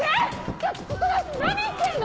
ちょっとそこの人何してるの！